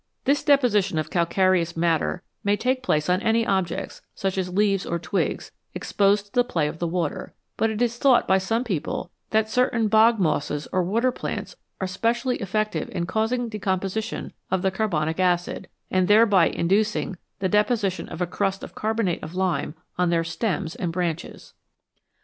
This deposition of calcareous matter may take place on any objects, such as leaves or twigs, exposed to the play of the water, but it is thought by some people that certain bog mosses or water plants are specially effective in causing decomposition of the carbonic acid, and thereby inducing the deposition of a crust of carbonate of lime on their stems and branches.